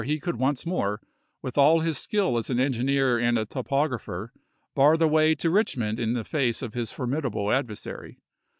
he could once more, with all his skill as an engineer and a topographer, bar the way to Eichmond in the face of his formidable adversary.